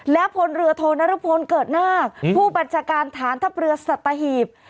และพลเรือโทนรพลเกิดนาคผู้บัญชาการฐานทัพเรือสัตหีบ